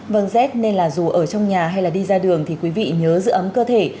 vâng z nên là dù ở trong nhà hay là đi ra đường thì quý vị nhớ giữ ấm cơ thể